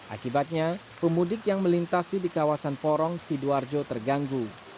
akibatnya pemudik yang melintasi di kawasan porong sidoarjo terganggu